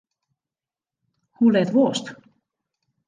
Hoe let wolst?